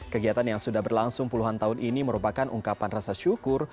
kegiatan yang sudah berlangsung puluhan tahun ini merupakan ungkapan rasa syukur